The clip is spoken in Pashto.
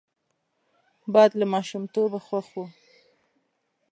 باد له ماشومتوبه خوښ وو